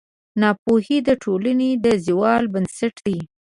ناپوهي د ټولنې د زوال بنسټ دی.